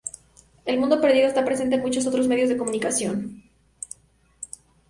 El mundo perdido está presente en muchos otros medios de comunicación.